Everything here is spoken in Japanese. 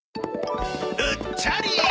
うっちゃりー！